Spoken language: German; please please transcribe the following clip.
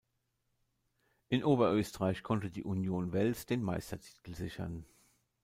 In Oberösterreich konnte die Union Wels den Meistertitel sichern.